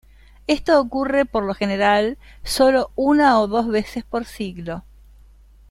Esto ocurre por lo general solo una o dos veces por siglo.